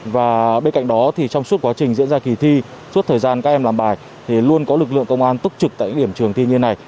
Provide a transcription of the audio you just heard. và bên cạnh đó thì trong suốt quá trình diễn ra kỳ thi suốt thời gian các em làm bài thì luôn có lực lượng công an túc trực tại các điểm trường thi như này